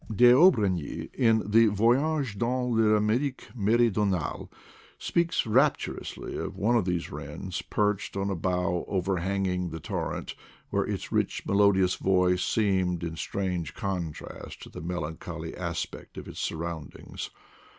D'Orbigny, in the Voyage, dans I'Amerique Meridionale, speaks rapturously of one of these wrens, perched on a bough overhanging the torrent, where its rich melodious voice seemed in strange contrast to the melancholy aspect of its surroundings.